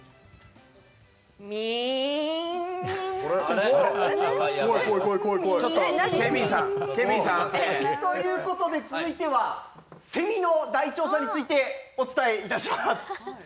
ミーンミンミン。ということで、続いてはセミの大調査についてお伝えいたします。